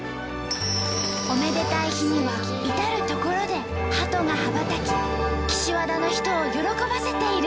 おめでたい日には至る所でハトが羽ばたき岸和田の人を喜ばせている。